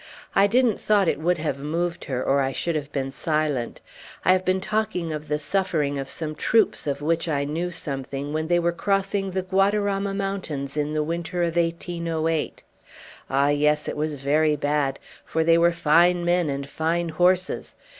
"I didn't thought it would have moved her, or I should have been silent. I have been talking of the suffering of some troops of which I knew something when they were crossing the Guadarama mountains in the winter of 1808. Ah! yes, it was very bad, for they were fine men and fine horses.